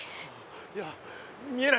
いや見えない。